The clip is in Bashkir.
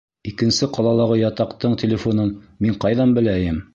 Икенсе ҡалалағы ятаҡтың телефонын мин ҡайҙан беләйем?